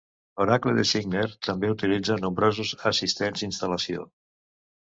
Oracle Designer també utilitza nombrosos assistents instal·lació.